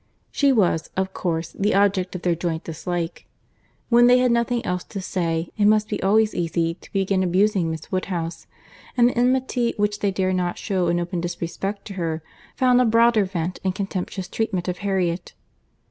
She was, of course, the object of their joint dislike.—When they had nothing else to say, it must be always easy to begin abusing Miss Woodhouse; and the enmity which they dared not shew in open disrespect to her, found a broader vent in contemptuous treatment of Harriet.